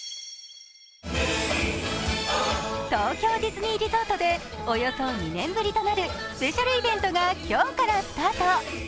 東京ディズニーリゾートでおよそ２年ぶりとなるスペシャルイベントが今日からスタート。